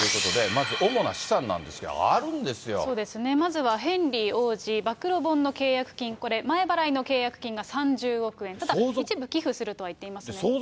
まず主な資産なんですが、あるんそうですね、まずはヘンリー王子、暴露本の契約金、これ前払いの契約金が３０億円、ただ一部寄付するとは言ってますね。